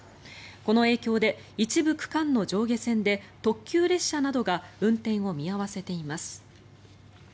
この影響で一部区間の上下線で特急列車などが運転を見合わせています。